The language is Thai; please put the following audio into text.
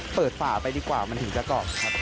เปิดป่าไปดีกว่ามันถึงจะกรอบนะครับ